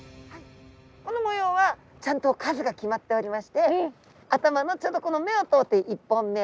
この模様はちゃんと数が決まっておりまして頭のちょうどこの目を通って１本目。